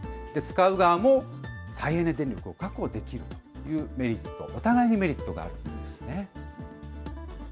使う側も、再エネ電力を確保できるというメリット、お互いにメリットがあるんですね。